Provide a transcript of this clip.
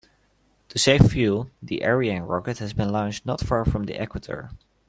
To save fuel, the Ariane rocket has been launched not far from the equator.